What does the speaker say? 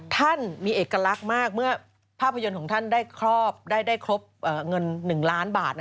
ท่านมีเอกลักษณ์มากเมื่อภาพยนตร์ของท่านได้ครอบได้ครบเงิน๑ล้านบาท